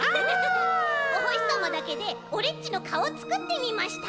おほしさまだけでオレっちのかおをつくってみました。